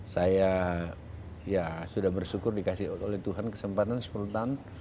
saya ya sudah bersyukur dikasih oleh tuhan kesempatan sepuluh tahun